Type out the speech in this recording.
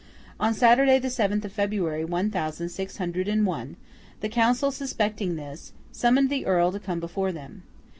On Saturday the seventh of February, one thousand six hundred and one, the council suspecting this, summoned the Earl to come before them.